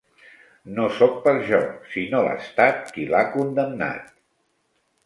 No soc pas jo, sinó l'Estat qui l'ha condemnat.